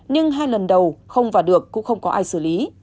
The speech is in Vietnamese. nhưng hai lần đầu không vào được cũng không có ai xử lý